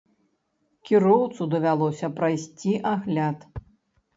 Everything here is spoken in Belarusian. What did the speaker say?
Кіроўцу давялося прайсці агляд.